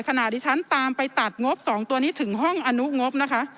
ขณะที่ฉันตามไปตัดงบ๒ตัวนี้ถึงห้องอนุงบนะคะ